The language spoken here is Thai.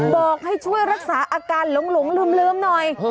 บอกให้ช่วยรักษาอาการหลงลืมหน่อย